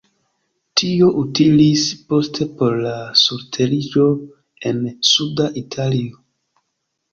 Tio utilis poste por la surteriĝo en suda Italio.